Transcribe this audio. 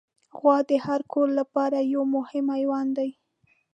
غوا د هر کور لپاره یو مهم حیوان دی.